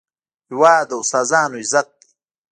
هېواد د استادانو عزت دی.